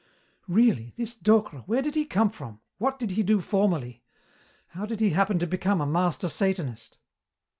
"Really. This Docre, where did he come from, what did he do formerly, how did he happen to become a master Satanist?"